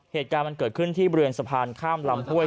เหตุการณ์มันเกิดขึ้นที่บริเวณสะพานข้ามลำห้วย